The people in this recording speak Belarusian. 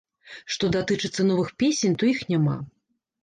Што датычыцца новых песень, то іх няма.